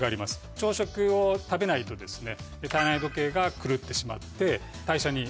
朝食を食べないと体内時計が狂ってしまって。